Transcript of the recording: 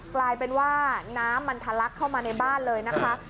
กลายเป็นว่าน้ำมันทะลักเข้ามาในบ้านเลยนะคะ